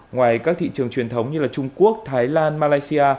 ngoài các thị trường truyền thống như trung quốc thái lan malaysia